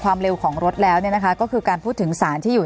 เร็วของรถแล้วเนี่ยนะคะก็คือการพูดถึงสารที่อยู่